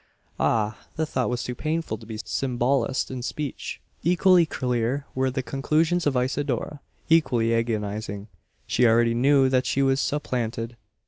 Ah! the thought was too painful to be symbolised in speech. Equally clear were the conclusions of Isidora equally agonising. She already knew that she was supplanted.